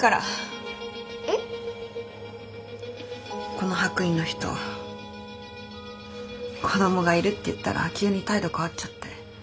この白衣の人子どもがいるって言ったら急に態度変わっちゃって。